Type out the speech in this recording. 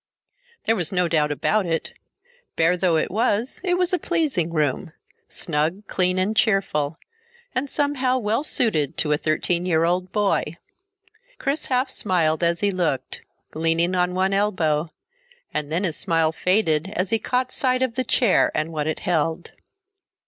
There was no doubt about it, bare though it was, it was a pleasing room, snug, clean and cheerful, and somehow well suited to a thirteen year old boy. Chris half smiled as he looked, leaning on one elbow, and then his smile faded as he caught sight of the chair and what it held.